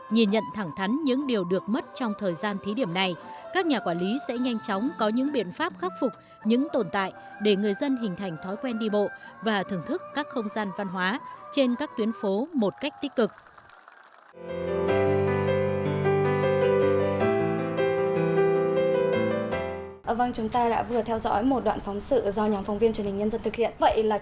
nhìn nhận thẳng thắn những điều được mất trong thời gian thí điểm này các nhà quản lý sẽ nhanh chóng có những biện pháp khắc phục những tồn tại để người dân hình thành thói quen đi bộ và thưởng thức các không gian văn hóa trên các tuyến phố một cách tích cực